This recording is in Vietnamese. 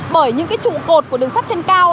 bởi những trụ cột của đường sắt trên cao